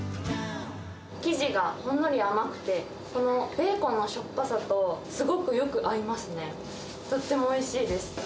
生地がほんのり甘くて、このベーコンのしょっぱさと、すごくよく合いますね。